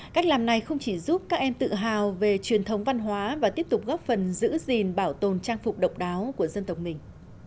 cách làm này không chỉ giúp các em tự hào về truyền thống văn hóa và tiếp tục góp phần giữ gìn bảo tồn trang phục độc đáo của dân tộc mình